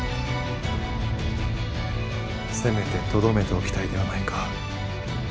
せめてとどめておきたいではないか。